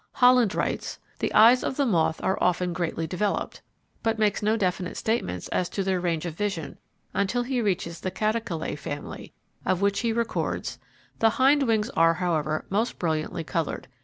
Holland writes: "The eyes of moths are often greatly developed," but makes no definite statements as to their range of vision, until he reaches the Catocalae family, of which he records: "The hind wings are, however, most brilliantly coloured.